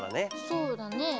そうだね。